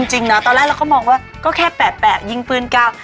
จริงนะตอนแรกเราก็มองว่าก็แค่แปดแปดยิงปืน๙